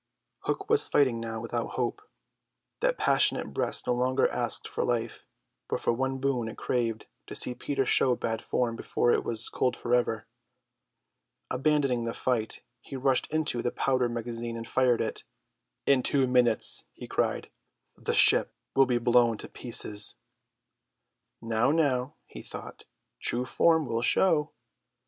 Hook was fighting now without hope. That passionate breast no longer asked for life; but for one boon it craved: to see Peter show bad form before it was cold forever. Abandoning the fight he rushed into the powder magazine and fired it. "In two minutes," he cried, "the ship will be blown to pieces." Now, now, he thought, true form will show.